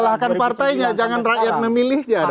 salahkan partainya jangan rakyat memilih dia dong